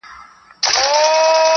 موږ ته قسمت پر کنډوونو ورکي لاري کښلي -